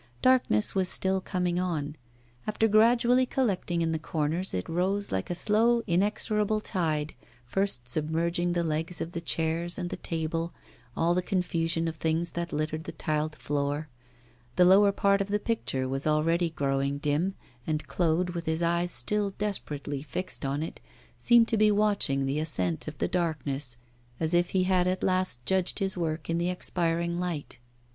Darkness was still coming on; after gradually collecting in the corners, it rose like a slow, inexorable tide, first submerging the legs of the chairs and the table, all the confusion of things that littered the tiled floor. The lower part of the picture was already growing dim, and Claude, with his eyes still desperately fixed on it, seemed to be watching the ascent of the darkness as if he had at last judged his work in the expiring light.